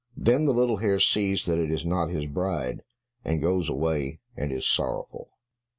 Then the little hare sees that it is not his bride, and goes away and is sorrowful.